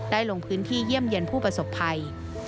ได้ลงพื้นที่เยี่ยมเย็นผู้ประสบภัย